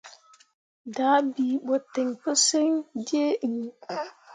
Dah bii ɓo ten pu siŋ di iŋ.